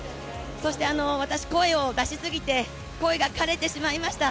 そして私、声を出しすぎて、声がかれてしまいました。